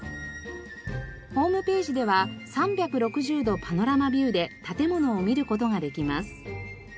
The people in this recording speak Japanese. ホームページでは３６０度パノラマビューで建物を見る事ができます。